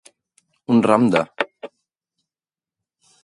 Un ram de.